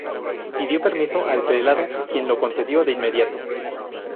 Pidió permiso al prelado quien lo concedió de inmediato.